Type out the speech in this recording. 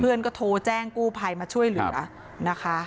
เพื่อนก็โทรแจ้งกู้ภัยมาช่วยเหลือนะคะ